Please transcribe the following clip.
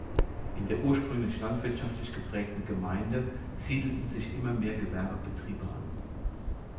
In der ursprünglich landwirtschaftlich geprägten Gemeinde siedelten sich immer mehr Gewerbebetriebe an.